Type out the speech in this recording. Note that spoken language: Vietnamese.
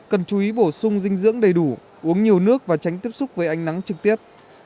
cần chú ý bổ sung dinh dưỡng đầy đủ uống nhiều nước và tránh tiếp xúc với ánh nắng trực tiếp